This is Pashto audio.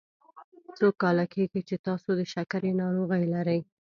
څو کاله کیږي چې تاسو د شکرې ناروغي لری؟